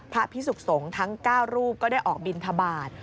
พระพิสุขสงฆ์ทั้ง๙รูปก็ได้ออกบินทบาท